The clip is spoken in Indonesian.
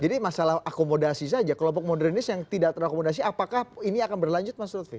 jadi masalah akomodasi saja kelompok modernis yang tidak terakomodasi apakah ini akan berlanjut mas rutfi